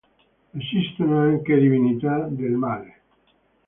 Esistono anche divinità del male.